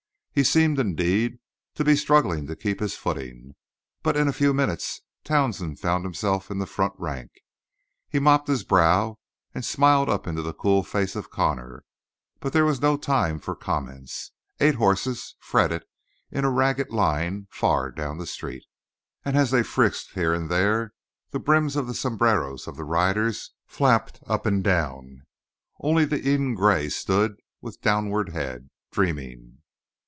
He seemed, indeed, to be struggling to keep his footing, but in a few minutes Townsend found himself in the front rank. He mopped his brow and smiled up into the cool face of Connor, but there was no time for comments. Eight horses fretted in a ragged line far down the street, and as they frisked here and there the brims of the sombreros of the riders flapped up and down; only the Eden gray stood with downward head, dreaming.